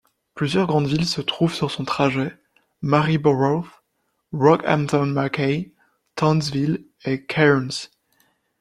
Plusieurs grandes villes se trouvent sur son trajet Maryborough, Rockhampton, Mackay, Townsville et Cairns.